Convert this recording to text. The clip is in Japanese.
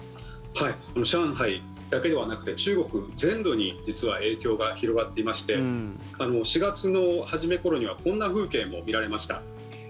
上海だけではなくて中国全土に実は影響が広がっていまして４月の初め頃にはこんな風景も見られました。